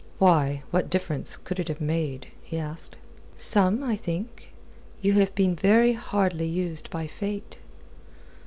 "Why, what difference could it have made?" he asked. "Some, I think. You have been very hardly used by Fate."